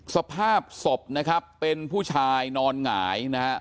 สภาพศพนะครับเป็นผู้ชายนอนหงายนะฮะ